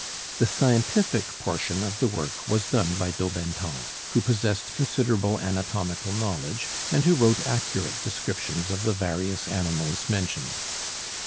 The scientific portion of the work was done by Daubenton, who possessed considerable anatomical knowledge, and who wrote accurate descriptions of the various animals mentioned.